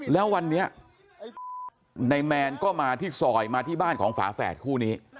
แล้ววันนี้นายแมนก็มาที่ซอยมาที่บ้านของฝาแฝดคู่นี้